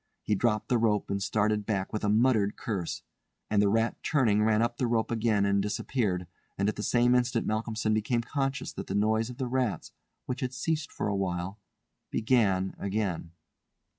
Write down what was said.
He dropped the rope and started back with a muttered curse, and the rat turning ran up the rope again and disappeared, and at the same instant Malcolmson became conscious that the noise of the rats, which had ceased for a while, began again.